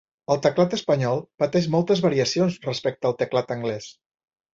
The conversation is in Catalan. El teclat espanyol pateix moltes variacions respecte al teclat anglès.